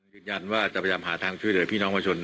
ยืนยันว่าจะพยายามหาทางช่วยเหลือพี่น้องประชาชน